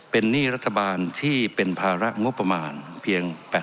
เป็นหนี้รัฐบาลที่เป็นภาระงบประมาณเพียง๘๐